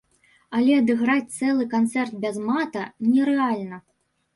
Але адыграць цэлы канцэрт без мата нерэальна.